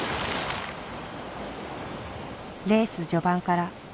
レース序盤から攻めた。